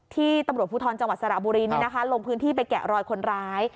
ตำรวจภูทรจังหวัดสระบุรีลงพื้นที่ไปแกะรอยคนร้าย